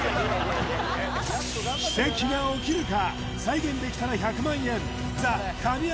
奇跡が起きるか？